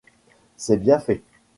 C'est bien fait.